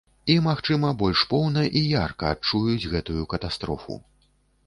І, магчыма, больш поўна і ярка адчуюць гэтую катастрофу.